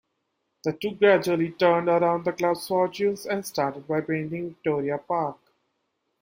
The two gradually turned around the club's fortunes, and started by painting Victoria Park.